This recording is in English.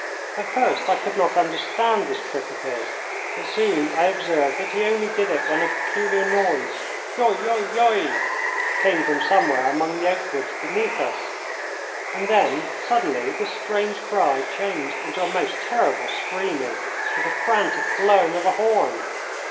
At first I could not understand this trick of his, but soon I observed that he only did it when a peculiar noise "yoy, yoy, yoy" came from somewhere among the oak woods beneath us. And then suddenly this strange cry changed into a most terrible screaming, with the frantic blowing of a horn.